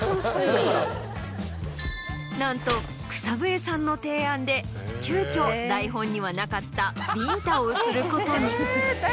なんと草笛さんの提案で急きょ台本にはなかったビンタをすることに。